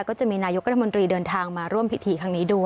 ก็จะมีนายกรัฐมนตรีเดินทางมาร่วมพิธีครั้งนี้ด้วย